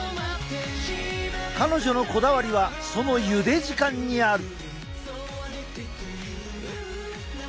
彼女のこだわりはそのゆで時間にある。